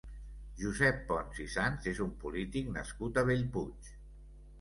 Josep Pont i Sans és un polític nascut a Bellpuig.